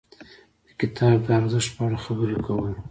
د کتاب د ارزښت په اړه خبرې کول.